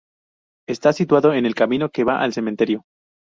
Está situado en el camino que va al cementerio.